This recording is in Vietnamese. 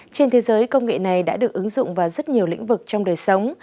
trên thế giới công nghệ này đã được ứng dụng vào rất nhiều lĩnh vực trong đời sống